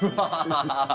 ハハハハッ。